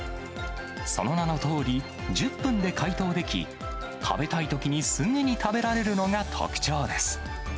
その名のとおり、１０分で解凍でき、食べたいときにすぐに食べられるのが特徴です。